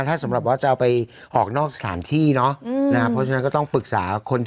ถ้าสำหรับว่าน้องจะเอาไปออกนอกสถานที่เนอะ